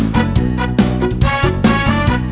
ปลอดภัย